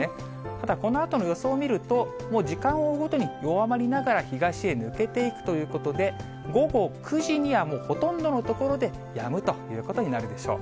ただこのあとの予想を見ると、もう時間を追うごとに弱まりながら東へ抜けていくということで、午後９時にはもうほとんどの所でやむということになるでしょう。